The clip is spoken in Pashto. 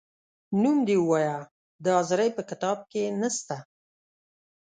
نوم دي ووایه د حاضرۍ په کتاب کې نه سته ،